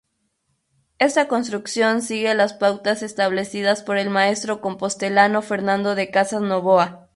Esta construcción sigue las pautas establecidas por el maestro compostelano Fernando de Casas Novoa.